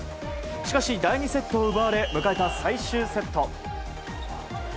しかし第２セットを奪われ迎えた最終セット。